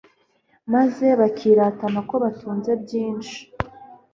maze bakiratana ko batunze byinshi